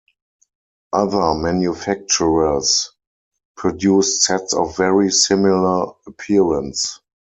Other manufacturers produced sets of very similar appearance.